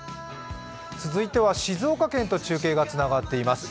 続いては静岡県と中継がつながっています。